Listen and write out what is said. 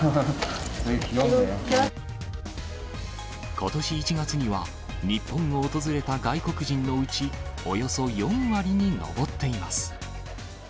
ことし１月には、日本を訪れた外国人のうち、およそ４割に上っています。